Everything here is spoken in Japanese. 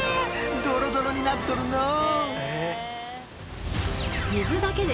ドロドロになっとるのう。